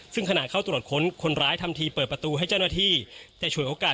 ซึ่งขณะเข้าตรวจค้นคนร้ายทำทีเปิดประตูให้เจ้าหน้าที่แต่ช่วยโอกาส